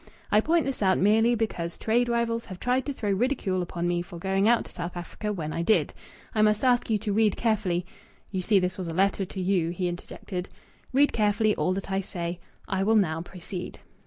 I point this out merely because trade rivals have tried to throw ridicule upon me for going out to South Africa when I did. I must ask you to read carefully' you see, this was a letter to you," he interjected "read carefully all that I say. I will now proceed."